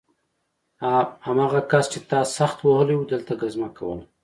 هماغه کس چې تا سخت وهلی و دلته ګزمه کوله